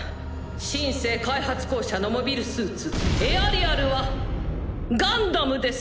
「シン・セー開発公社」のモビルスーツエアリアルはガンダムです。